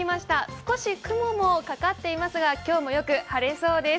少し雲もかかっていますが今日もよく晴れそうです。